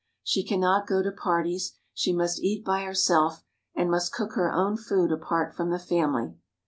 She cannot go to parties. She must eat by herself, and must cook her own food apart from the family.